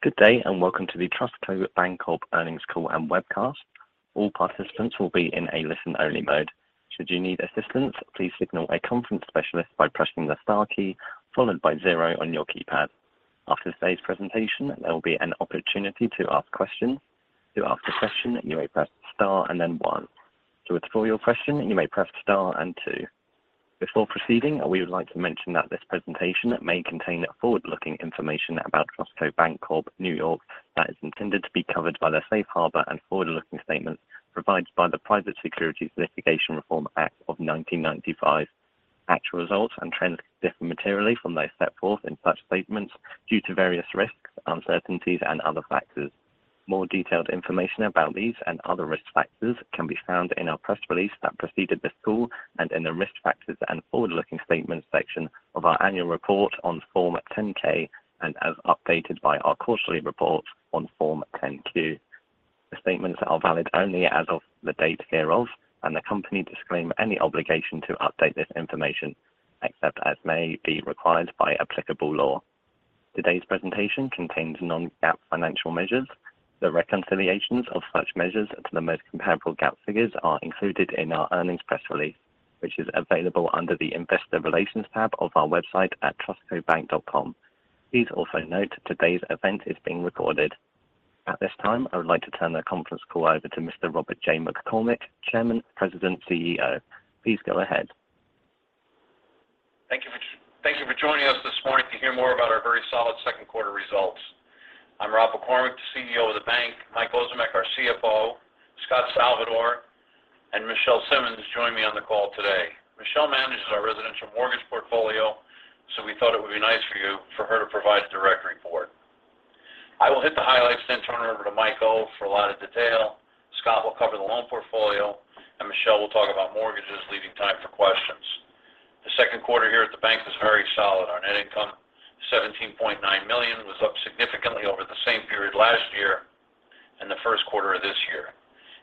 Good day, and welcome to the TrustCo Bank Corp NY Earnings Call and Webcast. All participants will be in a listen-only mode. Should you need assistance, please signal a conference specialist by pressing the star key followed by zero on your keypad. After today's presentation, there will be an opportunity to ask questions. To ask a question, you may press star and then one. To withdraw your question, you may press star and two. Before proceeding, we would like to mention that this presentation may contain forward-looking information about TrustCo Bank Corp NY that is intended to be covered by the safe harbor and forward-looking statements provided by the Private Securities Litigation Reform Act of 1995. Actual results and trends differ materially from those set forth in such statements due to various risks, uncertainties, and other factors. More detailed information about these and other risk factors can be found in our press release that preceded this call and in the Risk Factors and Forward-Looking Statements section of our annual report on Form 10-K and as updated by our quarterly report on Form 10-Q. The statements are valid only as of the date hereof, and the company disclaims any obligation to update this information, except as may be required by applicable law. Today's presentation contains non-GAAP financial measures. The reconciliations of such measures to the most comparable GAAP figures are included in our earnings press release, which is available under the Investor Relations tab of our website at trustcobank.com. Please also note today's event is being recorded. At this time, I would like to turn the conference call over to Mr. Robert J. McCormick, Chairman, President, CEO. Please go ahead. Thank you for joining us this morning to hear more about our very solid second quarter results. I'm Rob McCormick, the CEO of the bank. Mike Ozimek, our CFO, Scot Salvador, and Michelle Simmons join me on the call today. Michelle manages our residential mortgage portfolio, so we thought it would be nice for you for her to provide a direct report. I will hit the highlights then turn it over to Mike O. for a lot of detail. Scott will cover the loan portfolio, and Michelle will talk about mortgages, leaving time for questions. The second quarter here at the bank was very solid. Our net income, $17.9 million, was up significantly over the same period last year and the first quarter of this year.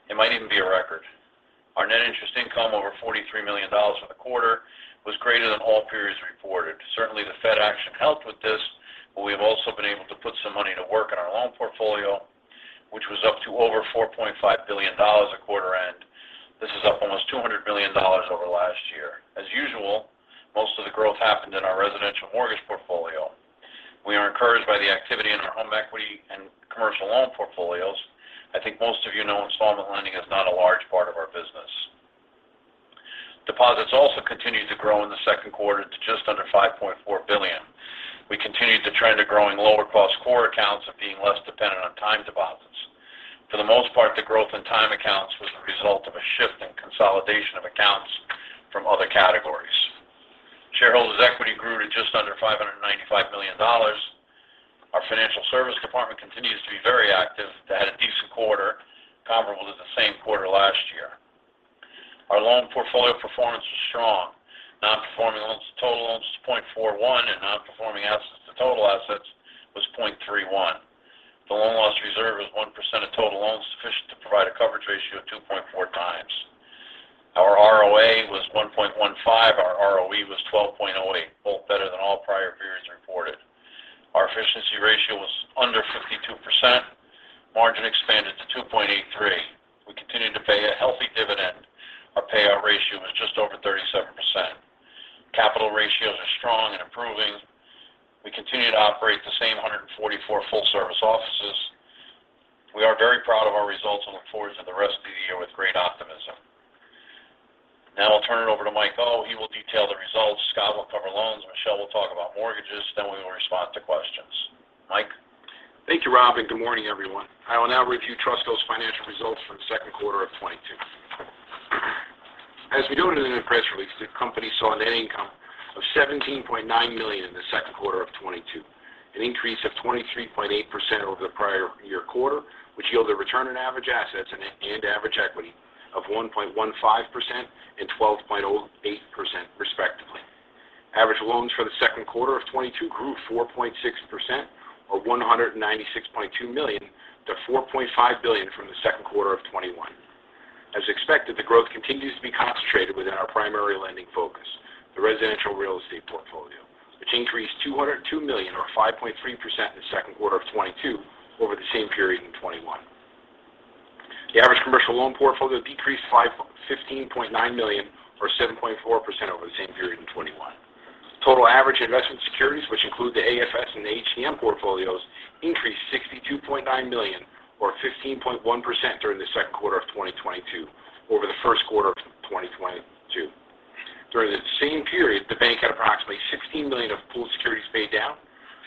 It might even be a record. Our net interest income, over $43 million for the quarter, was greater than all periods reported. Certainly, the Fed action helped with this, but we have also been able to put some money to work in our loan portfolio, which was up to over $4.5 billion at quarter end. This is up almost $200 million over last year. As usual, most of the growth happened in our residential mortgage portfolio. We are encouraged by the activity in our home equity and commercial loan portfolios. I think most of you know installment lending is not a large part of our business. Deposits also continued to grow in the second quarter to just under $5.4 billion. We continued the trend of growing lower cost core accounts of being less dependent on time deposits. For the most part, the growth in time accounts was the result of a shift in consolidation of accounts from other categories. Shareholders' equity grew to just under $595 million. Our financial service department continues to be very active. That had a decent quarter, comparable to the same quarter last year. Our loan portfolio performance was strong. Non-performing loans to total loans was 0.41, and non-performing assets to total assets was 0.31. The loan loss reserve was 1% of total loans, sufficient to provide a coverage ratio of 2.4x. Our ROA was 1.15%. Our ROE was 12.08%, both better than all prior periods reported. Our efficiency ratio was under 52%. Margin expanded to 2.83%. We continued to pay a healthy dividend. Our payout ratio was just over 37%. Capital ratios are strong and improving. We continue to operate the same 144 full-service offices. We are very proud of our results and look forward to the rest of the year with great optimism. Now I'll turn it over to Mike O. He will detail the results. Scott will cover loans. Michelle will talk about mortgages. We will respond to questions. Mike. Thank you, Rob, and good morning, everyone. I will now review TrustCo's financial results for the second quarter of 2022. As we noted in the press release, the company saw a net income of $17.9 million in the second quarter of 2022, an increase of 23.8% over the prior year quarter, which yielded return on average assets and average equity of 1.15% and 12.08% respectively. Average loans for the second quarter of 2022 grew 4.6% or $196.2 million to $4.5 billion from the second quarter of 2021. As expected, the growth continues to be concentrated within our primary lending focus, the residential real estate portfolio, which increased $202 million or 5.3% in the second quarter of 2022 over the same period in 2021. The average commercial loan portfolio decreased $15.9 million or 7.4% over the same period in 2021. Total average investment securities, which include the AFS and the HTM portfolios, increased $62.9 million or 15.1% during the second quarter of 2022 over the first quarter of 2022. During the same period, the bank had approximately $16 million of pooled securities paid down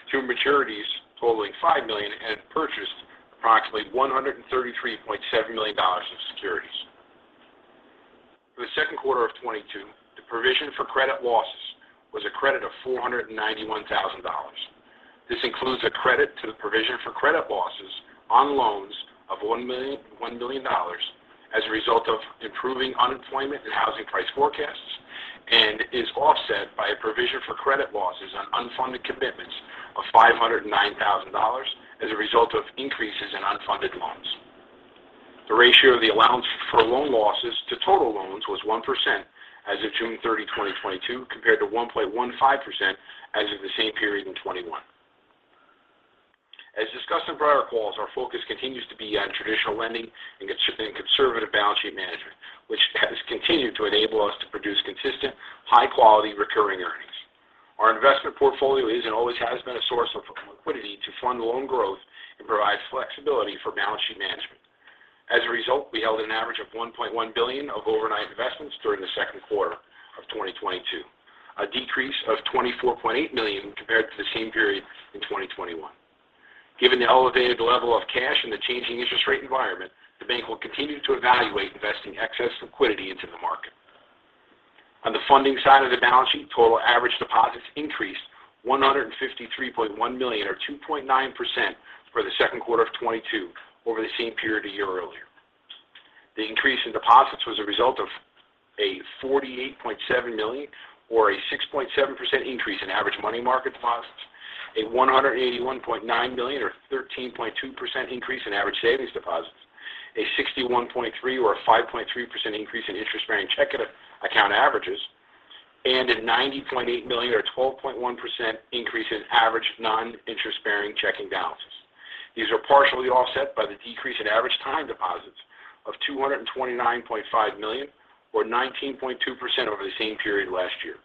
through maturities totaling $5 million and purchased approximately $133.7 million in securities. For the second quarter of 2022, the provision for credit losses was a credit of $491,000. This includes a credit to the provision for credit losses on loans of one million dollars as a result of improving unemployment and housing price forecasts and is offset by a provision for credit losses on unfunded commitments of $509,000 as a result of increases in unfunded loans. The ratio of the allowance for loan losses to total loans was 1% as of June 30, 2022, compared to 1.15% as of the same period in 2021. As discussed in prior calls, our focus continues to be on traditional lending and conservative balance sheet management, which has continued to enable us to produce consistent, high-quality recurring earnings. Our investment portfolio is and always has been a source of liquidity to fund loan growth and provide flexibility for balance sheet management. As a result, we held an average of $1.1 billion of overnight investments during the second quarter of 2022, a decrease of $24.8 million compared to the same period in 2021. Given the elevated level of cash and the changing interest rate environment, the bank will continue to evaluate investing excess liquidity into the market. On the funding side of the balance sheet, total average deposits increased $153.1 million or 2.9% for the second quarter of 2022 over the same period a year earlier. The increase in deposits was a result of a $48.7 million or a 6.7% increase in average money market deposits, a $181.9 million or 13.2% increase in average savings deposits, a $61.3 million or a 5.3% increase in interest-bearing checking account averages, and a $90.8 million or 12.1% increase in average non-interest-bearing checking balances. These are partially offset by the decrease in average time deposits of $229.5 million or 19.2% over the same period last year.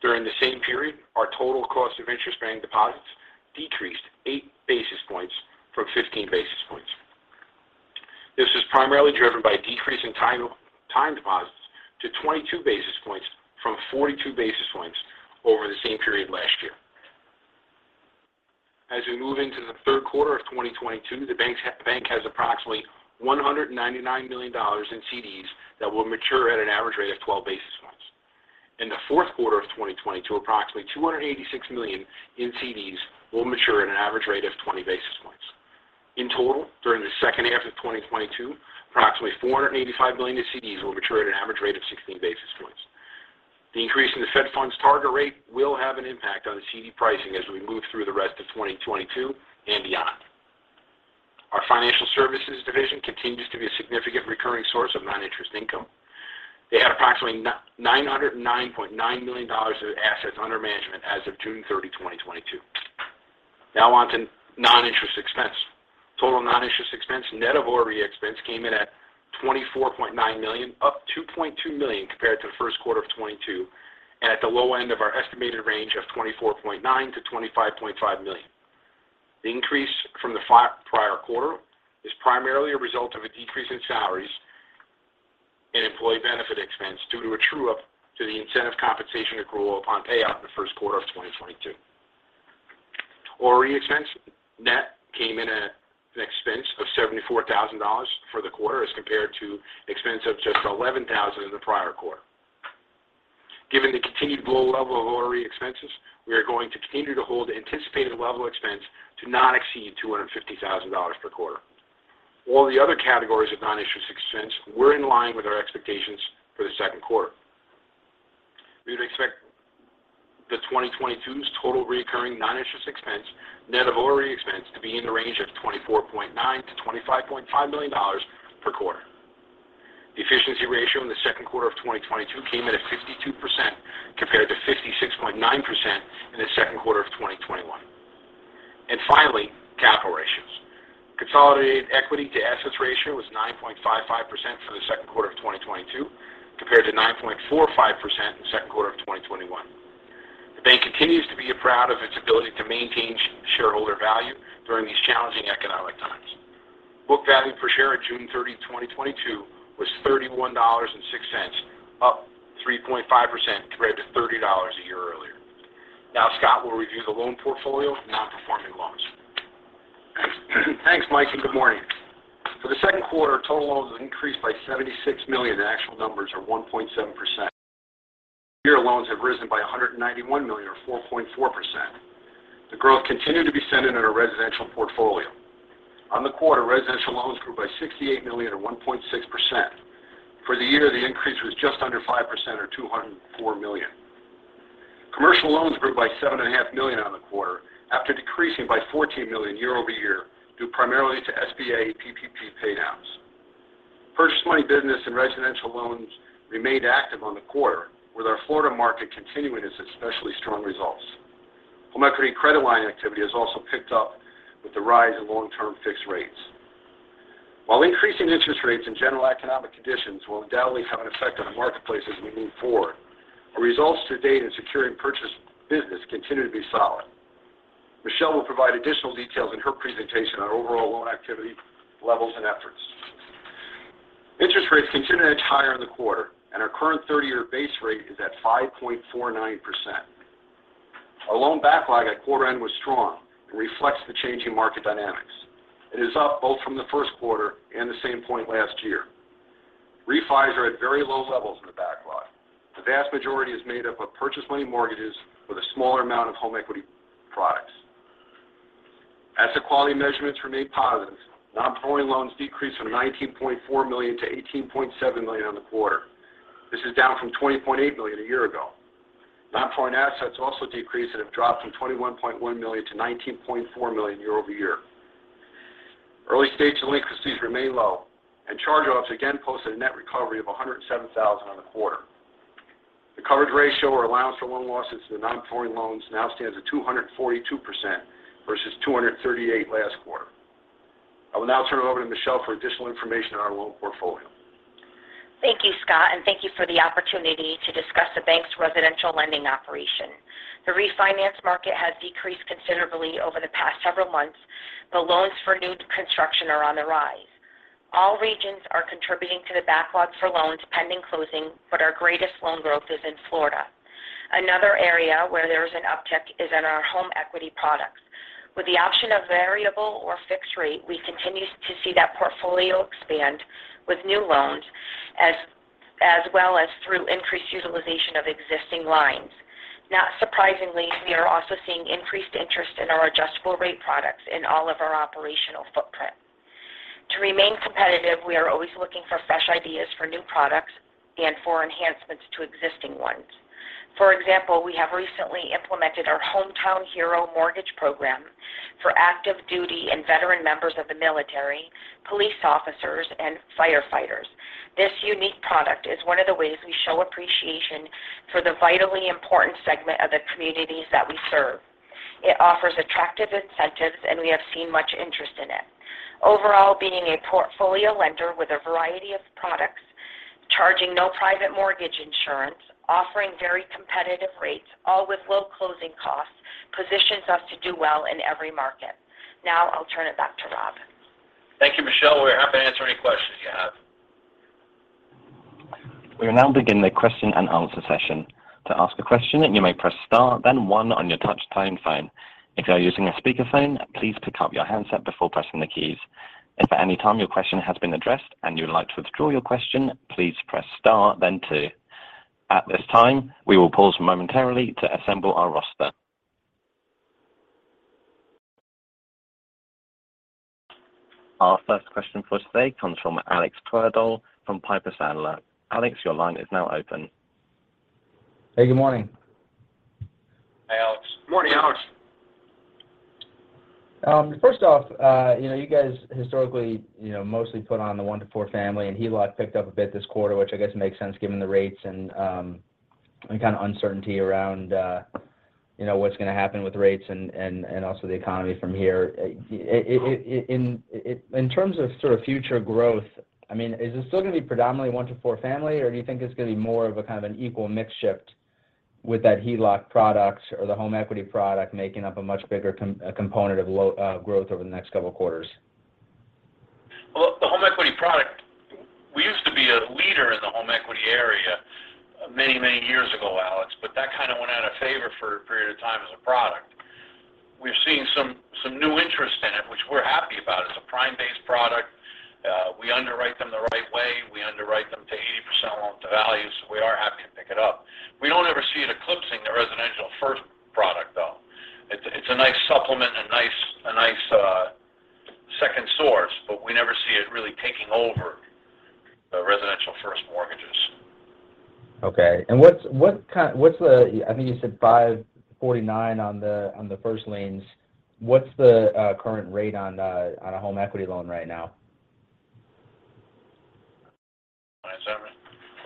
During the same period, our total cost of interest-bearing deposits decreased eight basis points from 15 basis points. This was primarily driven by a decrease in time deposits to 22 basis points from 42 basis points over the same period last year. As we move into the third quarter of 2022, the bank has approximately $199 million in CDs that will mature at an average rate of 12 basis points. In the fourth quarter of 2022, approximately $286 million in CDs will mature at an average rate of 20 basis points. In total, during the second half of 2022, approximately $485 million in CDs will mature at an average rate of 16 basis points. The increase in the Fed Funds target rate will have an impact on the CD pricing as we move through the rest of 2022 and beyond. Our financial services division continues to be a significant recurring source of non-interest income. They had approximately $909.9 million of assets under management as of June 30, 2022. Now on to non-interest expense. Total non-interest expense, net of ORE expense, came in at $24.9 million, up $2.2 million compared to the first quarter of 2022, and at the low end of our estimated range of $24.9 million-$25.5 million. The increase from the prior quarter is primarily a result of a decrease in salaries and employee benefit expense due to a true-up to the incentive compensation accrual upon payout in the first quarter of 2022. ORE expense net came in at an expense of $74,000 for the quarter as compared to expense of just $11,000 in the prior quarter. Given the continued low level of ORE expenses, we are going to continue to hold anticipated level expense to not exceed $250,000 per quarter. All the other categories of non-interest expense were in line with our expectations for the second quarter. We would expect 2022's total recurring non-interest expense, net of ORE expense, to be in the range of $24.9 million-$25.5 million per quarter. The efficiency ratio in the second quarter of 2022 came in at 52% compared to 56.9% in the second quarter of 2021. Finally, capital ratios. Consolidated equity to assets ratio was 9.55% for the second quarter of 2022 compared to 9.45% in the second quarter of 2021. The bank continues to be proud of its ability to maintain shareholder value during these challenging economic times. Book value per share at June 30, 2022 was $31.06, up 3.5% compared to $30 a year earlier. Now Scott will review the loan portfolio for non-performing loans. Thanks, Mike, and good morning. For the second quarter, total loans increased by $76 million. The actual numbers are 1.7%. Year loans have risen by $191 million or 4.4%. The growth continued to be centered in our residential portfolio. On the quarter, residential loans grew by $68 million or 1.6%. For the year, the increase was just under 5% or $204 million. Commercial loans grew by $7.5 million on the quarter after decreasing by $14 million year-over-year, due primarily to SBA PPP paydowns. Purchase money business and residential loans remained active on the quarter, with our Florida market continuing its especially strong results. Home equity credit line activity has also picked up with the rise in long-term fixed rates. While increasing interest rates and general economic conditions will undoubtedly have an effect on the marketplace as we move forward, our results to date in securing purchase business continue to be solid. Michelle will provide additional details in her presentation on overall loan activity levels and efforts. Interest rates continued to edge higher in the quarter, and our current 30-year base rate is at 5.49%. Our loan backlog at quarter end was strong and reflects the changing market dynamics. It is up both from the first quarter and the same point last year. Refis are at very low levels in the backlog. The vast majority is made up of purchase money mortgages with a smaller amount of home equity products. Asset quality measurements remain positive. Non-performing loans decreased from $19.4 million to $18.7 million on the quarter. This is down from $20.8 million a year ago. Non-performing assets also decreased and have dropped from $21.1 million to $19.4 million year-over-year. Early-stage delinquencies remain low, and charge-offs again posted a net recovery of $107,000 on the quarter. The coverage ratio or allowance for loan losses to the non-performing loans now stands at 242% versus 238% last quarter. I will now turn it over to Michelle for additional information on our loan portfolio. Thank you, Scott, and thank you for the opportunity to discuss the bank's residential lending operation. The refinance market has decreased considerably over the past several months, but loans for new construction are on the rise. All regions are contributing to the backlog for loans pending closing, but our greatest loan growth is in Florida. Another area where there is an uptick is in our home equity products. With the option of variable or fixed rate, we continue to see that portfolio expand with new loans as well as through increased utilization of existing lines. Not surprisingly, we are also seeing increased interest in our adjustable rate products in all of our operational footprint. To remain competitive, we are always looking for fresh ideas for new products and for enhancements to existing ones. For example, we have recently implemented our Hometown Hero mortgage program for active duty and veteran members of the military, police officers, and firefighters. This unique product is one of the ways we show appreciation for the vitally important segment of the communities that we serve. It offers attractive incentives, and we have seen much interest in it. Overall, being a portfolio lender with a variety of products, charging no private mortgage insurance, offering very competitive rates, all with low closing costs, positions us to do well in every market. Now, I'll turn it back to Rob. Thank you, Michelle. We're happy to answer any questions you have. We will now begin the question and answer session. To ask a question, you may press star then one on your touchtone phone. If you are using a speaker phone, please pick up your handset before pressing the keys. If at any time your question has been addressed and you would like to withdraw your question, please press star then two. At this time, we will pause momentarily to assemble our roster. Our first question for today comes from Alexander Twerdahl from Piper Sandler. Alex, your line is now open. Hey, good morning. Hi, Alex. Morning, Alex. First off, you know, you guys historically, you know, mostly put on the one to four family and HELOC picked up a bit this quarter, which I guess makes sense given the rates and kind of uncertainty around, you know, what's gonna happen with rates and also the economy from here. In terms of sort of future growth, I mean, is this still gonna be predominantly one to four family or do you think it's gonna be more of a kind of an equal mix shift with that HELOC product or the home equity product making up a much bigger component of growth over the next couple quarters? Well, the home equity product, we used to be a leader in the home equity area many, many years ago, Alex, but that kind of went out of favor for a period of time as a product. We've seen some new interest in it, which we're happy about. It's a prime-based product. We underwrite them the right way. We underwrite them to 80% loan to value, so we are happy to pick it up. We don't ever see it eclipsing the residential first product, though. It's a nice supplement, a nice second source, but we never see it really taking over the residential first mortgages. Okay. What's the? I think you said 5.49% on the first liens. What's the current rate on a home equity loan right now?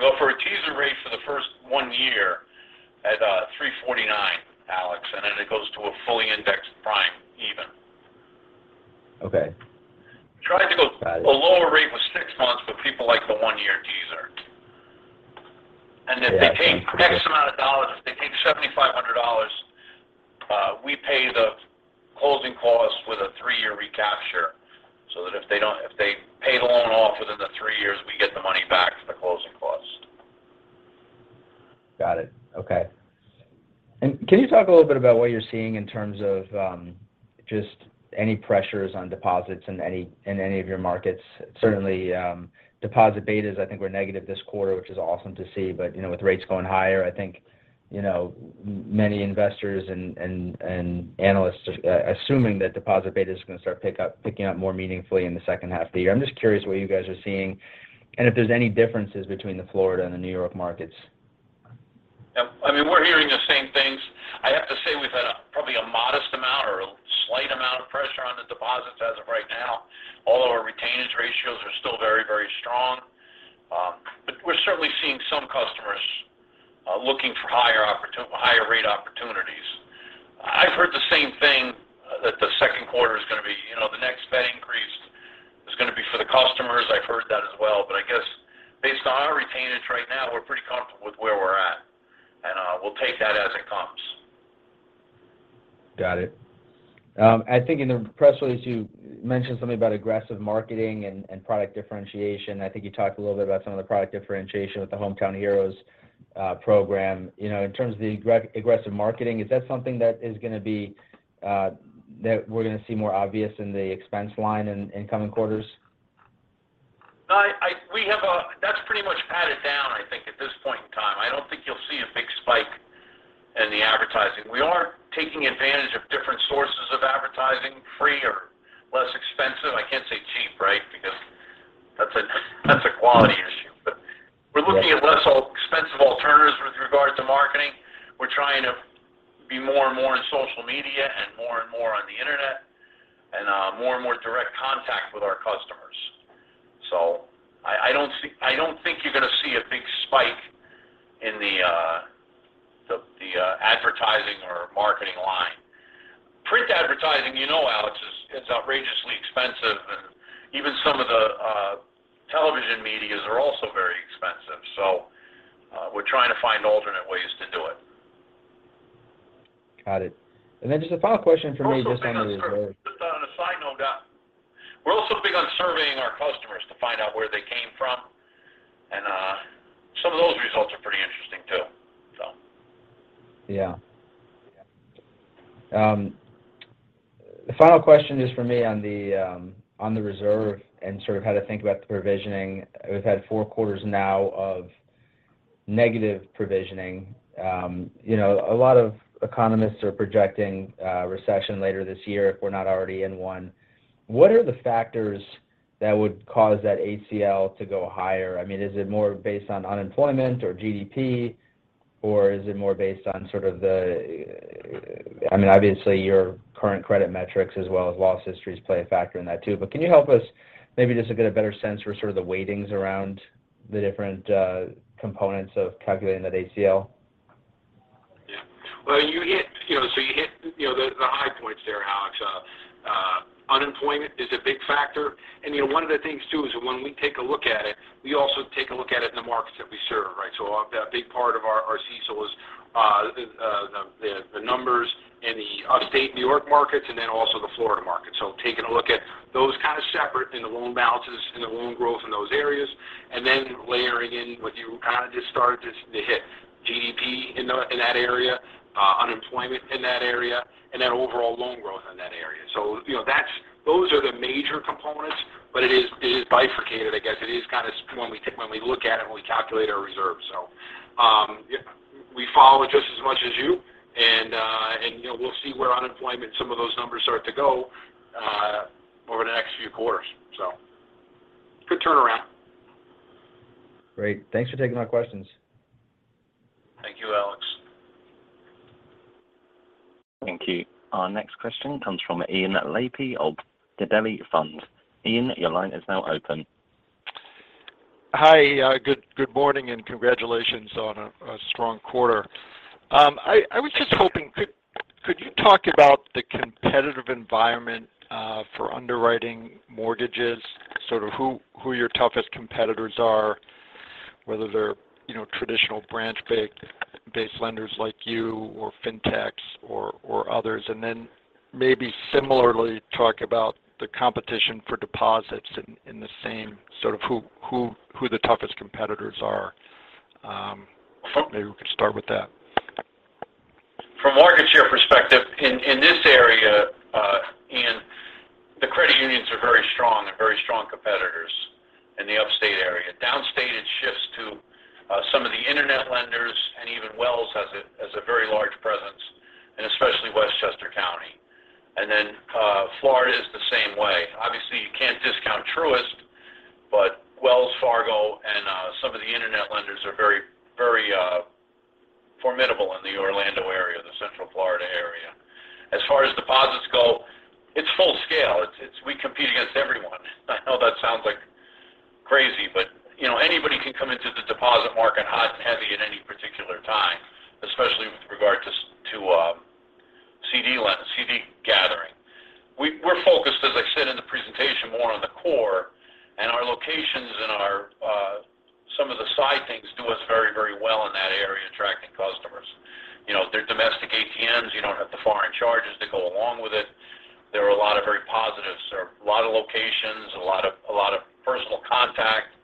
Well, for a teaser rate for the first one year at 3.49, Alex, and then it goes to a fully indexed prime even. Okay. We tried to go to a lower rate with six months, but people like the one year teaser. Yeah. If they pay X amount of dollars, if they take $7,500, we pay the closing costs with a three-year recapture so that if they pay the loan off within the three years, we get the money back for the closing cost. Got it. Okay. Can you talk a little bit about what you're seeing in terms of just any pressures on deposits in any of your markets? Certainly, deposit betas I think were negative this quarter, which is awesome to see. You know, with rates going higher, I think, you know, many investors and analysts are assuming that deposit beta is going to start picking up more meaningfully in the second half of the year. I'm just curious what you guys are seeing and if there's any differences between the Florida and the New York markets. Yeah. I mean, we're hearing the same things. I have to say we've had a probably a modest amount or a slight amount of pressure on the deposits as of right now, although our retainage ratios are still very, very strong. We're certainly seeing some customers looking for higher rate opportunities. I've heard the same thing that the second quarter is gonna be, you know, the next Fed increase is gonna be for the customers. I've heard that as well. I guess based on our retainage right now, we're pretty comfortable with where we're at, and we'll take that as it comes. Got it. I think in the press release, you mentioned something about aggressive marketing and product differentiation. I think you talked a little bit about some of the product differentiation with the Hometown Heroes program. You know, in terms of the aggressive marketing, is that something that is gonna be that we're gonna see more obvious in the expense line in coming quarters? That's pretty much patted down, I think, at this point in time. I don't think you'll see a big spike in the advertising. We are taking advantage of different sources of advertising, free or less expensive. I can't say cheap quality issue. We're looking at less expensive alternatives with regard to marketing. We're trying to be more and more in social media and more and more on the internet and more and more direct contact with our customers. I don't think you're gonna see a big spike in the advertising or marketing line. Print advertising, you know, Alex, is outrageously expensive, and even some of the television media are also very expensive. We're trying to find alternate ways to do it. Got it. Just a final question from me, just on the reserves. Just on a side note, we're also big on surveying our customers to find out where they came from, and some of those results are pretty interesting too, so. Yeah. The final question just for me on the reserve and sort of how to think about the provisioning. We've had four quarters now of negative provisioning. You know, a lot of economists are projecting a recession later this year, if we're not already in one. What are the factors that would cause that ACL to go higher? I mean, is it more based on unemployment or GDP, or is it more based on sort of the. I mean, obviously, your current credit metrics as well as loss histories play a factor in that too. But can you help us maybe just to get a better sense for sort of the weightings around the different components of calculating that ACL? Yeah. Well, you hit, you know, the high points there, Alex. Unemployment is a big factor. You know, one of the things, too, is when we take a look at it, we also take a look at it in the markets that we serve, right? A big part of our CECL is the numbers in the Upstate New York markets and then also the Florida market. Taking a look at those kind of separate in the loan balances and the loan growth in those areas, and then layering in what you kind of just started to hit, GDP in that area, unemployment in that area, and then overall loan growth in that area. You know, those are the major components, but it is bifurcated, I guess. It is kind of when we look at it, when we calculate our reserve. We follow it just as much as you, and you know, we'll see where unemployment, some of those numbers start to go over the next few quarters. Good turnaround. Great. Thanks for taking my questions. Thank you, Alex. Thank you. Our next question comes from Ian Lapey of The Gabelli Fund. Ian, your line is now open. Hi. Good morning, and congratulations on a strong quarter. I was just hoping, could you talk about the competitive environment for underwriting mortgages, sort of who your toughest competitors are, whether they're, you know, traditional branch-based lenders like you or Fintechs or others? Then maybe similarly talk about the competition for deposits in the same, sort of who the toughest competitors are. Maybe we could start with that. From market share perspective, in this area, Ian, the credit unions are very strong. They're very strong competitors in the upstate area. Downstate, it shifts to some of the internet lenders, and even Wells has a very large presence, especially Westchester County. Florida is the same way. Obviously, you can't discount Truist, but Wells Fargo and some of the internet lenders are very formidable in the Orlando area, the Central Florida area. As far as deposits go, it's full scale. We compete against everyone. I know that sounds like crazy, but you know, anybody can come into the deposit market hot and heavy at any particular time, especially with regard to CD gathering. We're focused, as I said in the presentation, more on the core, and our locations and our some of the side things do us very, very well in that area, attracting customers. You know, they're domestic ATMs. You don't have the foreign charges that go along with it. There are a lot of very positives. There are a lot of locations, a lot of personal contact.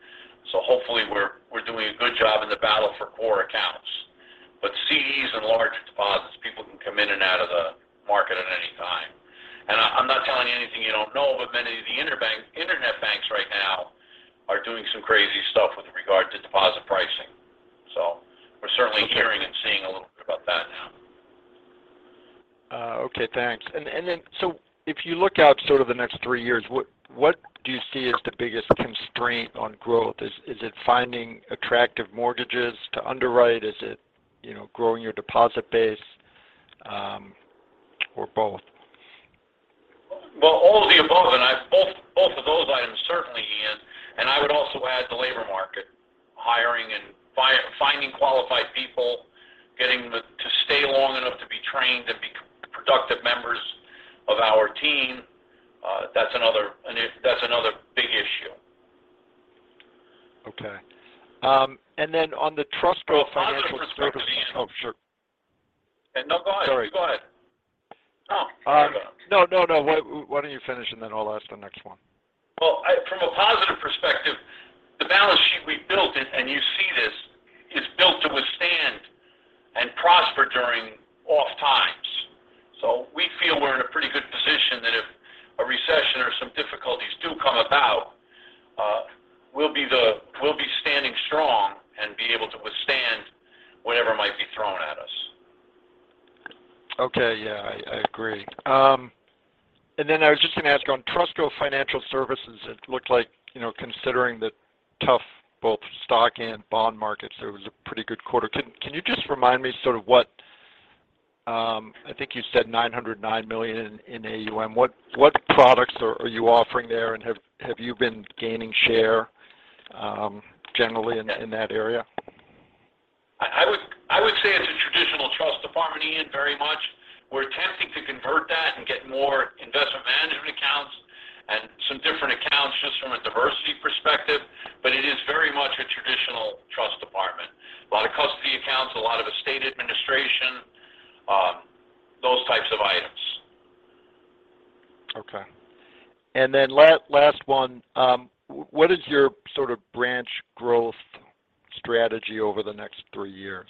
Hopefully we're doing a good job in the battle for core accounts. CDs and larger deposits, people can come in and out of the market at any time. I'm not telling you anything you don't know, but many of the internet banks right now are doing some crazy stuff with regard to deposit pricing. We're certainly hearing and seeing a little bit about that now. Okay, thanks. If you look out sort of the next three years, what do you see as the biggest constraint on growth? Is it finding attractive mortgages to underwrite? Is it, you know, growing your deposit base, or both? Well, all of the above, both of those items certainly, Ian. I would also add the labor market. Hiring and finding qualified people, getting to stay long enough to be trained and be productive members of our team, that's another big issue. Okay. On the Trustco Financial- From a positive perspective, Ian. Oh, sure. No, go ahead. Sorry. Go ahead. No. No. Why don't you finish, and then I'll ask the next one. Well, from a positive perspective, the balance sheet we built, and you see this, is built to withstand and prosper during off times. We feel we're in a pretty good position that if a recession or some difficulties do come about, we'll be standing strong and be able to withstand whatever might be coming. Okay. Yeah, I agree. I was just gonna ask on Trustco Financial Services. It looked like, you know, considering the tough both stock and bond markets, there was a pretty good quarter. Can you just remind me sort of what, I think you said $909 million in AUM. What products are you offering there, and have you been gaining share generally in that area? I would say it's a traditional trust department, Ian, very much. We're attempting to convert that and get more investment management accounts and some different accounts just from a diversity perspective. It is very much a traditional trust department. A lot of custody accounts, a lot of estate administration, those types of items. Okay. Last one. What is your sort of branch growth strategy over the next three years?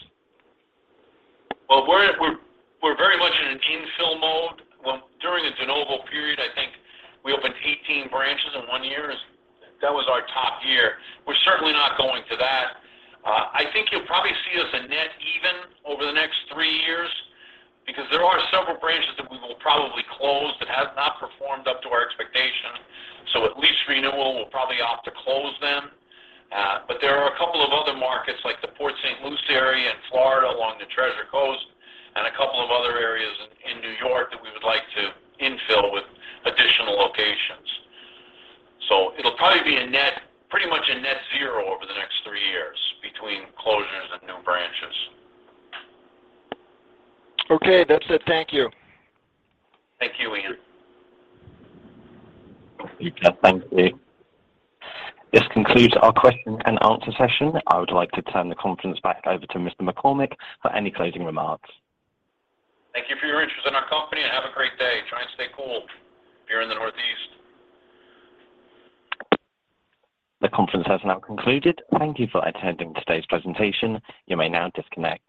Well, we're very much in an infill mode. Well, during the de novo period, I think we opened 18 branches in one year. That was our top year. We're certainly not going to that. I think you'll probably see us a net even over the next three years because there are several branches that we will probably close that have not performed up to our expectation. At lease renewal, we'll probably opt to close them. There are a couple of other markets like the Port St. Lucie area in Florida along the Treasure Coast and a couple of other areas in New York that we would like to infill with additional locations. It'll probably be a net, pretty much a net zero over the next three years between closures and new branches. Okay, that's it. Thank you. Thank you, Ian. Thank you. This concludes our question and answer session. I would like to turn the conference back over to Mr. McCormick for any closing remarks. Thank you for your interest in our company, and have a great day. Try and stay cool here in the Northeast. The conference has now concluded. Thank you for attending today's presentation. You may now disconnect.